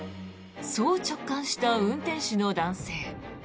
そう直感した運転手の男性。